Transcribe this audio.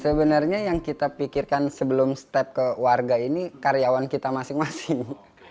sebenarnya yang kita pikirkan sebelum step ke warga ini karyawan kita masing masing